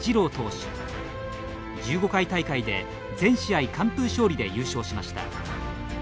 １５回大会で全試合完封勝利で優勝しました。